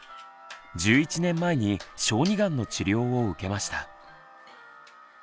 １１年前に小児がんの治療を受けました。